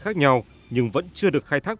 khác nhau nhưng vẫn chưa được khai thác